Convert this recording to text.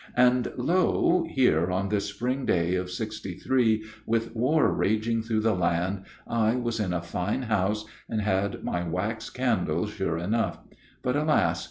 And, lo! here on this spring day of '63, with war raging through the land, I was in a fine house, and had my wax candles sure enough; but, alas!